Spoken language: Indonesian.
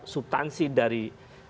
subtansi dan pernyataan